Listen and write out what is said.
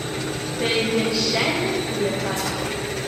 Plej verŝajne lia patro.